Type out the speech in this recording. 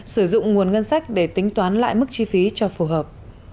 sử dụng nguồn ngân sách để tính toán lại mức chi phí cho phù hợp